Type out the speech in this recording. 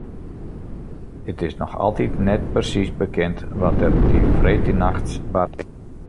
It is noch altyd net persiis bekend wat der dy freedtenachts bard is.